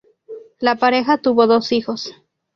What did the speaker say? La pareja tuvo dos hijos.